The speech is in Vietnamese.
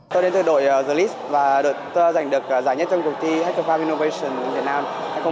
tôi đến từ đội the list và tôi đã giành được giải nhất trong cuộc thi hector farm innovation việt nam hai nghìn một mươi sáu